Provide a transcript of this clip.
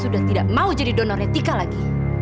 sudah tidak mau jadi donornya tika lagi